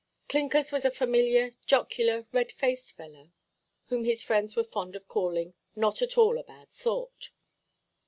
Clinkers was a familiar, jocular, red–faced fellow, whom his friends were fond of calling "not at all a bad sort."